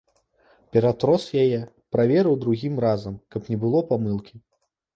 Ператрос яе, праверыў другім разам, каб не было памылкі.